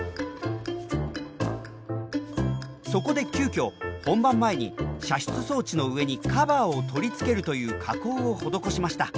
そこで急きょ本番前に射出装置の上にカバーを取り付けるという加工を施しました。